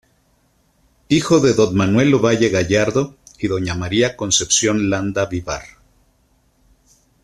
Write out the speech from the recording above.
Hijo de don "Manuel Ovalle Gallardo" y doña "María Concepción Landa Vivar".